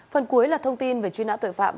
phần cuối là thông tin về truy nã tội phạm